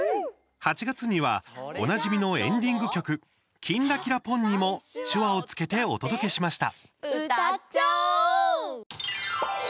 ８月にはおなじみのエンディング曲「きんらきらぽん」にも手話を付けてお届けしました。